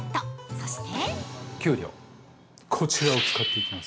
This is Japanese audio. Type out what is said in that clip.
そして◆